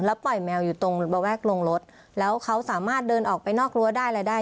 ปล่อยแมวอยู่ตรงระแวกลงรถแล้วเขาสามารถเดินออกไปนอกรั้วได้อะไรได้